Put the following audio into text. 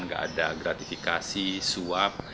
tidak ada gratifikasi suap